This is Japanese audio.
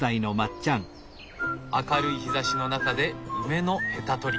明るい日ざしの中で梅のヘタ取り。